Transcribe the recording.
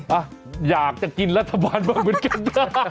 แหละอยากจะกินรัฐบาลเหมือนกัน